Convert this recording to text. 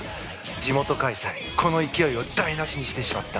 地元開催、この勢いを台なしにしてしまった。